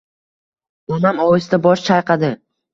Onam ohista bosh chayqadi.